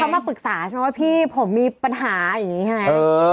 เข้ามาปรึกษาเพราะว่าพี่ผมมีปัญหาอย่างนี้ใช่ไหมเออ